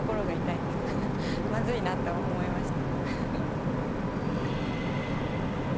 まずいなって思いました。